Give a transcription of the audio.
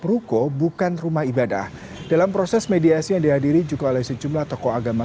ruko bukan rumah ibadah dalam proses mediasi yang dihadiri juga oleh sejumlah tokoh agama